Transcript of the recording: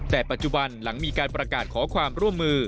แต่ปัจจุบันหลังมีการประกาศขอความร่วมมือ